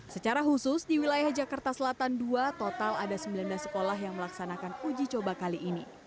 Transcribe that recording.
secara khusus di wilayah jakarta selatan ii total ada sembilan belas sekolah yang melaksanakan uji coba kali ini